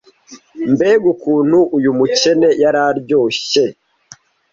mbega ukuntu uyu mukene yari aryoshye